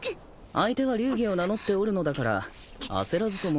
相手は流儀を名乗っておるのだから焦らずとも。